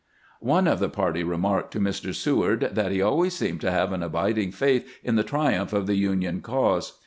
One of the party remarked to Mr. Seward that he always seemed to have an abiding faith in the triumph of the Union cause.